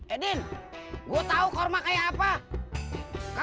eh din gue tau kurma kayak apa